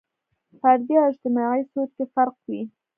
فردي او اجتماعي سوچ کې فرق وي.